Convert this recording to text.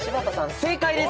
正解です。